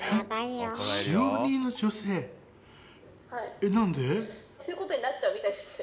えっなんで？ということになっちゃうみたいですね。